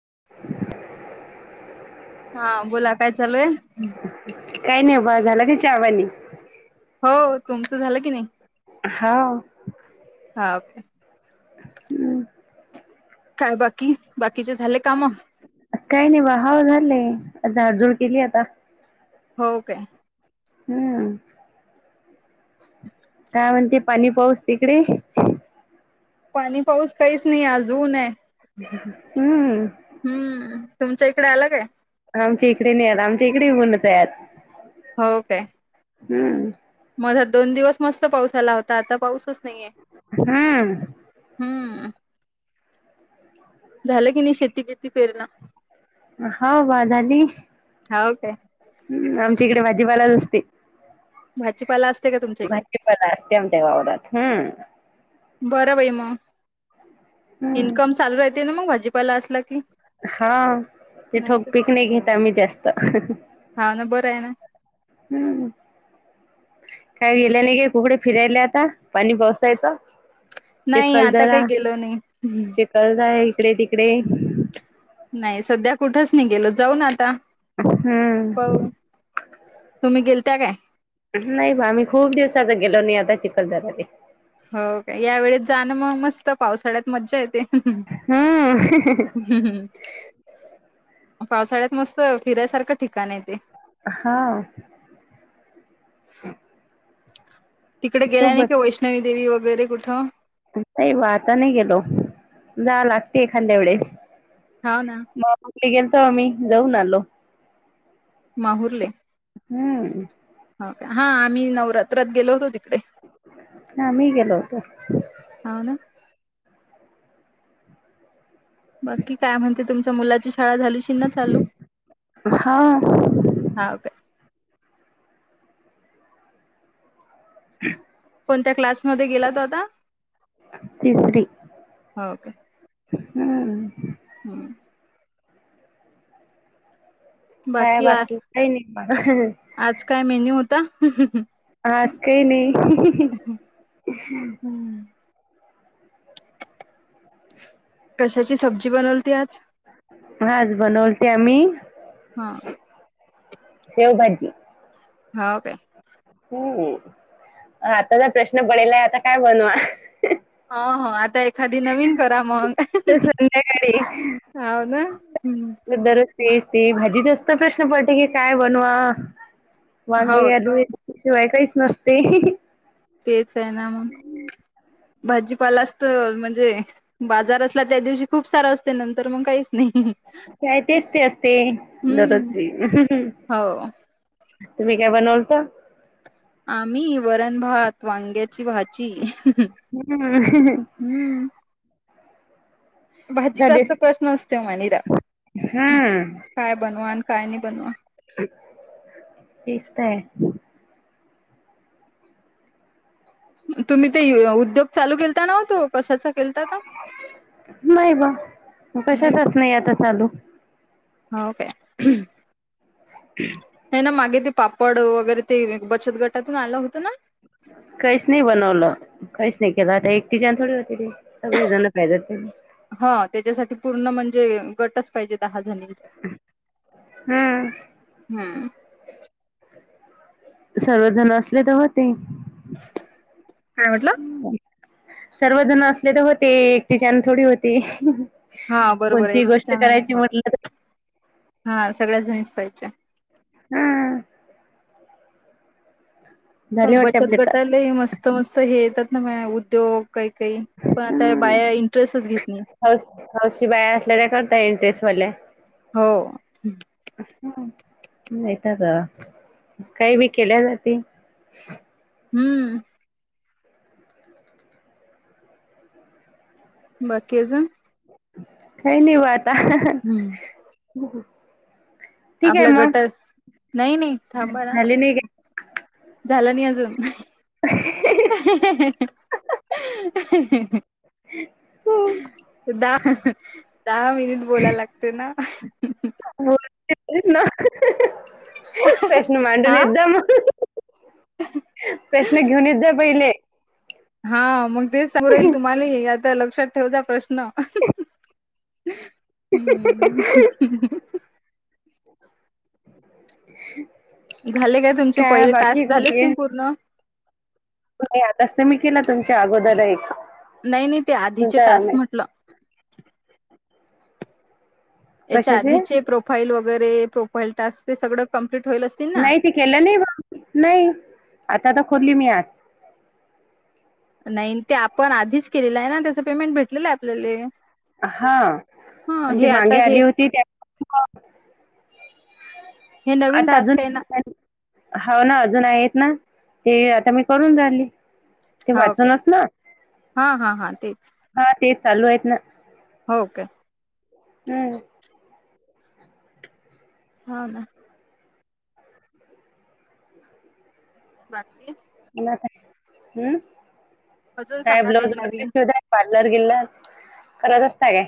[unintelligible] हा बोला काय चालू आहे. काही नाही बा झाल का चहा पाणी हो तुमचं झालं की नाही. हाव हा ओके. हम्म. काय बाकी बाकीचे झाले काम काय नाही बा हव झालेय झाडझुड केली आता हो काय? हम्म. काय म्हणते पाणी पाऊस तिकडे. पाणी पाऊस काहीच नाही आज ऊन आहे हम्म. तुमच्या इकडे आलं काय? आमच्या इकडे नाही आज आमच्या इकडे ऊनच आहे आज हो काय? हम्म. मधात दोन दिवस मस्त पाऊस आला होता आता पाऊसच नाही हम्म हम्म. झालं की नाही शेती गीती पेरण. हाव बा झाली. हो काय ह् आमच्या इकडे भाजीपालाच असते. भाजीपाला अस. भाजीपाला असते आमच्या वावरात हम्म. बरं बाई मग हम्म इन्कम चालू राहते ना मग भाजीपाला असला की हा ते नाही ठोक तर पिक नाही घेत जास्त हा ना बरं आहे ना हम्म. काय गेल्या नाही का कुकडे फिरायला आता पाणी पावसायचं नाही आता काही चखलदरा गेलो नाही चखलदरा इकडे तिकडे. नाही सध्या कुठच नाही गेल जाऊन आता हम्म पाऊ तुम्ही गेलत्या काय? नाही बा आम्ही खूप दिवसाच गेलो नाही आता चिखलदर्याले हो का या वेळेेत जाणं मग मस्त पावसाळ्यात मज्जा येते. हम. पावसाळ्यात मस्त फिरायसारखं ठिकाण आहे ते हा. तिकडे गेल्या नाही सोबत का वैष्णवी देवी वगैरे कुठ. नाही बा आता नाही गेलो जा लागते एखाद्या वेळेस. हाव ना. ते गेलतो आम्ही जाऊन आलो. माहुरले हम्म. हा आम्ही नवरात्रात गेलो होत तिकडे आम्ही गेलो होतो. हाव ना. बाकी काय म्हणते तुमच्या मुलाची शाळा झाली अशील ना चालू हा हाव काय. हम्म [inaudible] कोणत्या क्लासमध्ये गेला तो आता? तिसरी हो काय हम्म. हम्म. काय बाकी काही नाही. बा आज काय मेन्यू होता? आज काही नाही. कशाची सब्जी बनोलती आज. आज बनवते आम्ही हा. शेवभाजी. हाव काय. हम्म आता चा प्रश्न पडेला आहे आता काय बनवा. हाव हाव आता अखदी नवीन करा मग तर संध्याकाळी [inaudible] हव ना दररोज तेच ते भाजी जास्त प्रश्न पडते की काय बनवा [inaudible] हो वांगे अू शिवाय काहीच नसते. तेच आहे ना मग. भाजीपाला असत, म्हणजे बाजार असला त्या दिवशी खूप सारा असते नंतर मग काही [inaudible] काय तेच ते असते द [unintelligible] हम्म हो तुम्ही काय बनवलता? आम्ही वरण भात, वांग्याची भाजी. हम्म [inaudible] झालेस भाजीचास्त प्रश्न असते माय नीरा हम्म काय बनवा आणि काय नाही बनवा. तेचत आहे. तुम्ही ते उद्योग चालू केलतानाव्हतो कशाचा केलता तो? नाही बा कशाचच नाही आता चालू हाव काय. हम् [inaudible] नाही ना मागे ते पापड वगैरे ते बचत गटातून आला होता ना. काहीच नाही बनवलं काहीच नाही केलं आता एकटीच्यान थोडी होते ते. सगळे जण पाहिजेत की नाही. हा त्याच्यासाठी पूर्ण म्हणजे गटच पाहिजे दहा जणीणचा हम्म हम्म. सर्व जण असले तर होते. [inaudible] काय म्हटलं? सर्व जण असले तर होते, एकटी छन थोडी होते. हा बरोबर आहे, कोणची गोष्ट एकट्याने नाही करायची होत, म्हटलं तर [inaudible] हा सगळ्या जणीच पाहिजे. हम्म [inaudible] प बचत आपले तर गटाला मस्त मस्त हे येतात ना उद्योग काही काही पण आता बाया इंटरेस्टच घेत नाही. हशी बाया असल्या करताय इंटरेस्ट मल्या हो [inaudible] नाहीत का [inaudible] काही बी केल्या जाते [inaudible] हम्म. बाकीजं काय नाही वात आ [inaudible] आपला गटात [inaudible] नाही नाही थांबा ना झाले नाही का [inaudible] झाला नाही अजून [unintelligible] [unintelligible] दहा दहा मिनिट बोलाय लागते ना. [unintelligible] हा [unintelligible] प्रश्न घेऊनच जा पहिले. हा मग तेच समोर येईल तुम्हालाही आता लक्षात ठेवचा प्रश्न. हम्म [inaudible] [unintelligible] [inaudible] झाले काय तुमचे पहिले टास्क झालेच नाही पूर्ण? आता अस मी केला तुमच्या अगोदर एक नाही नाही, ते आधीचे तुमचा टास्क म्हटलं याच्या कशाचे आधीचे प्रोफाईल वगैरे प्रोफाईल ट सगळं कं नाही ते केलं नाही बा, नाही आताता खोरली मी आज नाही, ते आपण आधीच केलेलं आहे ना त्याच पेमेंट भेटलेलं आहे आपल्याला. हा, आणि ती मागे हे आली होती. हे नवीन आता अजून टास्क आहे ना हव ना अजून आहेत. ना ते आता मी करून झाली. ते हा ओके वाचूनच ना हा हा हा तेच हा तेच चालू आहेत ना. हो ओके हम्म. हा ना. बारकी अजून का सांगा ब्लाज काही नवीन वगैरे शध पा लर गिल्ल करत असता काय?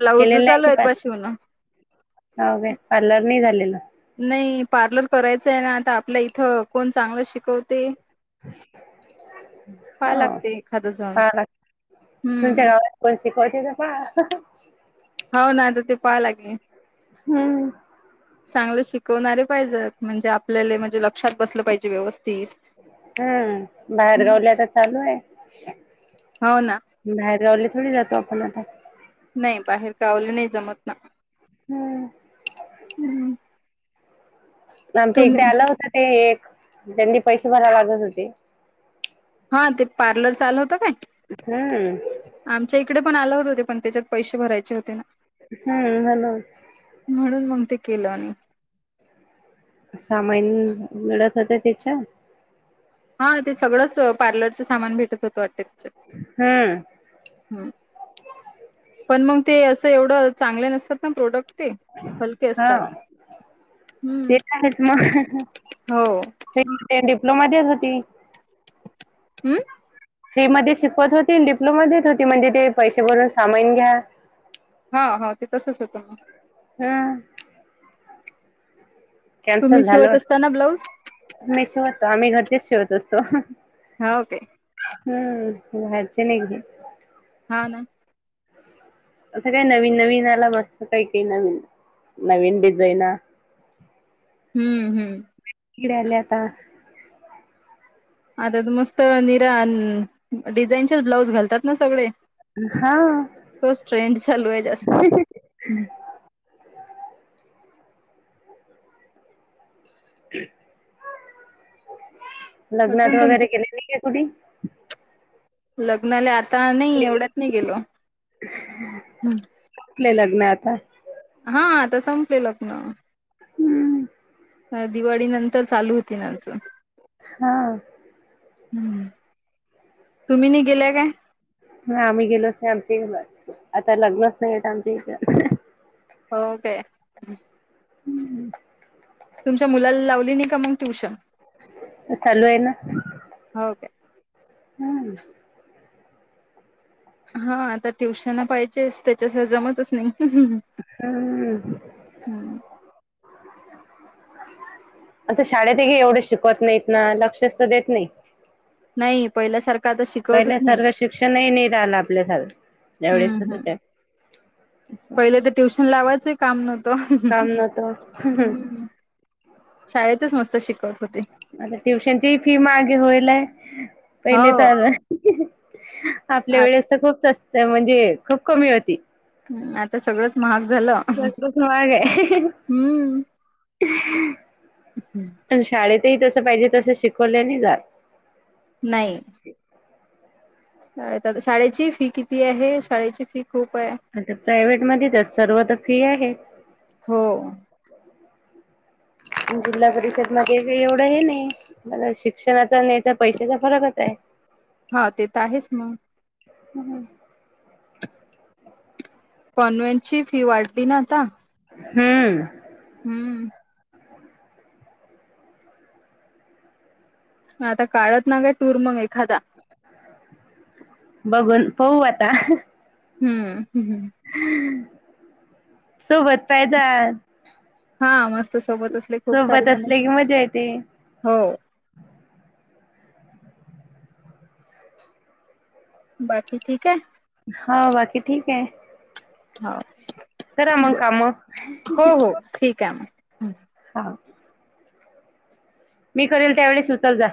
ब्लाऊज केलेलं आहे चालू की एक पार बा शिवला. हो काय पार्लर नाही झालेलं नाही पार्लर करायच. आहे ना आता आपल्या इथं कोण चांगलं शिकवते? [unintelligible] [inaudible] पाहा हा, लागते एखादं जाऊन हा तुमच्या हम्म गावात [unintelligible] [inaudible] हो ना आता ते पाह लागेल. हम्म. चांगलं शिकवणारे पाहिजेत, म्हणजे आपल्या म्हणजे लक्षात बसलं पाहिजे व्यवस्थ हम्म! बाहेर हम्म. गावल्या तर चालू आहे हो ना बारवली थोडी जातो आपण आता. नाही, बाहेर का आवलं नाही जमत ना. हम्म! हम्म. आमच्या तुम इकडे आला होता ते एक त्यांनी पैसे भरा लागत होते. हा ते पार्लर चाल होत काय? हम्म. आमच्या इकडे पण आला होत होते पण त्याच्यात पैसे भरायचे होते ना. हम्म हल. किलोनी सामान मिळत होते त्याच्या हा ते सगळंच पार्लरचं सामान भेटत होत वाटतत. हम्म. पण मग ते असं एवढं चांगले नसतात ना प्रोडक्ट ते हलके असतात. हम्म तेच हो ो मध्येच होती. हम्म. फ्री मध्ये शिकवत होती डिप्लोमा देत होती म्हणजे ते पैसे भरून सामाून घ्या. हा होा ते तसच होतं मग हम्म. तुम्ही कॅन्सल झाल शिवत असताना ब्लाऊज मी शेवतो आम्ही घरचेच शेवत असतो. ओके. हम्म बा चनग ह. आता काही नवीन नवीन आला मस्त काही काही नवीन नवीन डिझाईन हम्म हम्म. ड्याल्या आता आता मस्त निरा डिझाईनच्याच ब्लाउज घालतात ना सगळे. हा तोच ट्रेंड चालू आहे जास्त ह्. रथ. ह. लग्नात अजून तुमचे वगैरे केलेली का कुी लग्नाला आता नाही कुठले एवढ्यात नाही गेलो. कले लग्न आता हा आता संपले लग्न. ह दिवाळी नंतर चालू होतील अर्ज. हा. हम्म. तुम्ही नाही गेल्या काय? ह आम्ही गेलोच नाही आमच्या आता लग्नच नाही येत आमच्या इ- हो काय? हम्म. तुमच्या मुलाला लावली नाही का मंग ट्युशन? चालू आहे ना. हो काय हम्म. हा आता ट्युशन पाहिजेच त्याच्यास जमतच नाही. हम्म हम्म. आता शाळेत एवढं शिकवत नाहीत ना लक्षच तर देत नाही. नाही पहिल्यासारखं. आता शिकवतच पहिल्या नाहीत. सर्वं शिक्षणही नाही रालं आपल्यास जवढस. हम्म हम्म पहिले तर ट्युशन लावायचं काम नव्हतं. काम नव्हतं शाळेतच मस्त शिक. आता ट्युशनची फी मागे होईल आहे हो पहिले तर आपल्या आ वेळेस तर खूप सस्त म्हणजे खूप कमी होती. ह आता सगळंच महाग झालं. न वाग आहे. हम्म पण शाळेतही जसं पाहिजे तस शिकवल नाही जात. नाही. शाळेची फी किती आहे? शाळेची फी- खूप आहे. आता प्रायव्हेट मध्ये तर सर्व तर फ्री आहे. हो जिल्हा परिषद मधे एवढं हे नाही. म शिक्षणाचा नि याचा पैशाचा फरकच आहे. [unintelligible] हा ते तर आहेच मग. हम्म. कॉन्व्हेंटची फी वाढली ना आता? हम्म. हम्म. आता काढत ना काय टूर मग? एखादा. बघून पाहू आता. हम्म. हम् हम सोबत पाय झा- हा मस्त सोबत असले खूप सारे सोबत जण असले की, मजा येते. हो. थ बाकी ठीक आहे? हा बाकी ठीक आहे. हो. करा मग काम. हो हो ठीक आहे मग. हं. ह मी करेल त्यावेळेस उचलता.